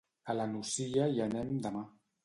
A la Nucia hi anem demà.